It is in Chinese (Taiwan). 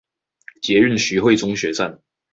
捷運徐匯中學站